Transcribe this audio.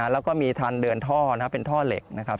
แล้วก็มีทันเดินท่อนะครับเป็นท่อเหล็กนะครับ